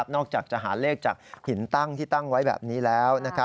จากจะหาเลขจากหินตั้งที่ตั้งไว้แบบนี้แล้ว